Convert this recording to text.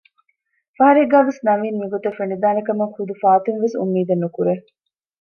ފަހަރެއްގައިވެސް ނަވީން މިގޮތަށް ފެނިދާނެކަމަށް ޙުދު ފާތުންވެސް އުއްމީދެއް ނުކުރޭ